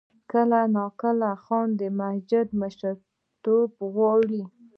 کله کله خان د مسجد مشرتوب غواړي.